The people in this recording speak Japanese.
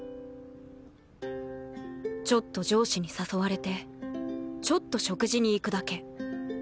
ちょっと上司に誘われてちょっと食事に行くだけ